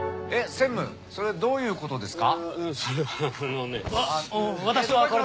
専務どういうことですか。